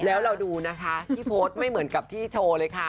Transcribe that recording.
แล้วเราดูนะคะที่โพสต์ไม่เหมือนกับที่โชว์เลยค่ะ